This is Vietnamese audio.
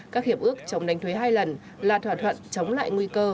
các hiệp ước chống đánh thuế hai lần là thỏa thuận chống lại nguy cơ